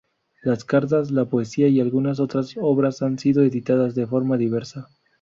Las cartas, las poesías y algunas otras obras han sido editadas de forma diversa.